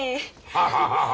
ハハハハッ。